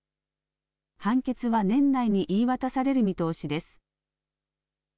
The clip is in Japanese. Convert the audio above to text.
判決は年内に言い渡される見通しです。